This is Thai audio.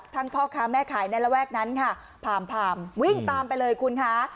พ่อค้าแม่ขายในระแวกนั้นค่ะผ่ามวิ่งตามไปเลยคุณคะ